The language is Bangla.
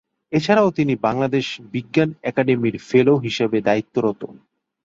এছাড়াও তিনি বাংলাদেশ বিজ্ঞান একাডেমির ফেলো হিসেবে দায়িত্বরত।